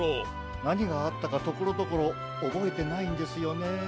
なにがあったかところどころおぼえてないんですよね。